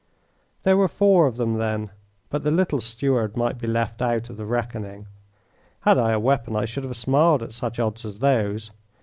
There were four of them, then, but the little steward might be left out of the reckoning. Had I a weapon I should have smiled at such odds as those.